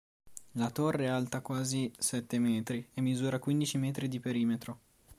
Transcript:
La torre è alta quasi sette metri e misura quindici metri di perimetro.